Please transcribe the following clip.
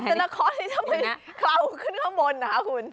สันตาคลอสนี่ทำไมเข่าขึ้นข้างบนนะคุณ